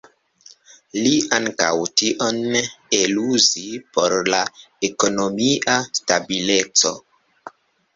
Li ankaŭ tion eluzis por la ekonomia stabileco.